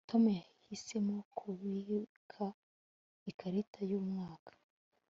tom yahisemo kubika ikarita uyu mwaka